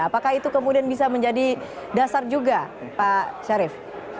apakah itu kemudian bisa menjadi dasar juga pak syarif